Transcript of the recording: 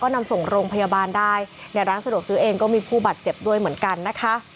นำส่งโรงพยาบาลได้ในร้านสะดวกซื้อเองก็มีผู้บาดเจ็บด้วยเหมือนกันนะคะ